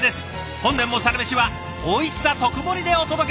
本年も「サラメシ」はおいしさ特盛りでお届けします。